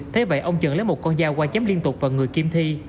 thế vậy ông trần lấy một con dao qua chém liên tục vào người kim thị